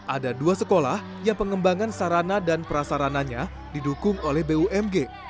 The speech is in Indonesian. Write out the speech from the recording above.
ada dua sekolah yang pengembangan sarana dan prasarananya didukung oleh bumg